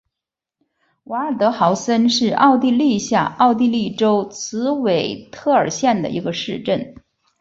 瓦尔德豪森是奥地利下奥地利州茨韦特尔县的一个市镇。